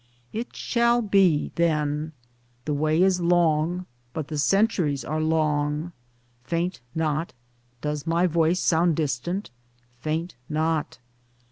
It shall be then. The way is long but the centuries are long. Faint not. Does my voice sound distant ? Faint not.